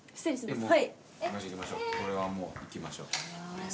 これはもう行きましょう。